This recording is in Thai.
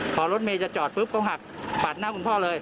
พอรถเมย์จะจอดปุ๊บก็หักปาดหน้าคุณพ่อเลย